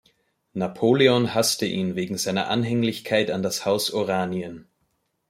Napoleon hasste ihn wegen seiner Anhänglichkeit an das Haus Oranien.